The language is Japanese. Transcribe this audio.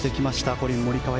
コリン・モリカワ